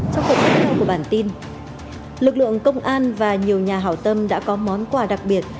trong phần tiếp theo của bản tin lực lượng công an và nhiều nhà hảo tâm đã có món quà đặc biệt